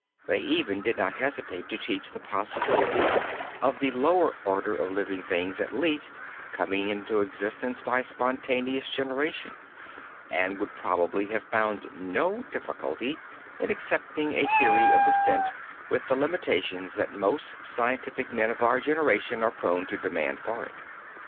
They even did not hesitate to teach the possibility of the lower order of living beings at least coming into existence by spontaneous generation, and would probably have found no difficulty in accepting a theory of descent with the limitations that most scientific men of our generation are prone to demand for it.